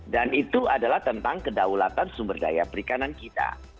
dan itu adalah tentang kedaulatan sumber daya perikanan kita